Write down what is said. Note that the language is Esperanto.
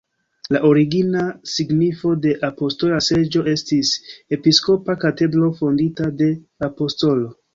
La origina signifo de "apostola seĝo" estis: episkopa katedro fondita de apostolo.